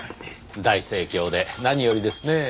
大盛況で何よりですねぇ。